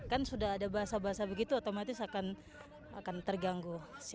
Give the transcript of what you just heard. kan sudah ada bahasa bahasa begitu otomatis akan terganggu